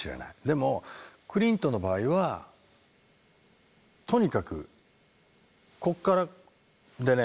でもクリントの場合はとにかくここからでね